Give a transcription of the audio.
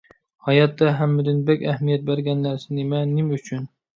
ھاياتتا ھەممىدىن بەك ئەھمىيەت بەرگەن نەرسە نېمە؟ نېمە ئۈچۈن؟